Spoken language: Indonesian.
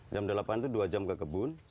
jam delapan itu dua jam ke kebun